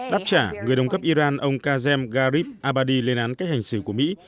đáp trả người đồng cấp iran ông kazhem garib abadi lên án cách hành xử của mỹ